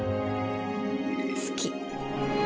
好き。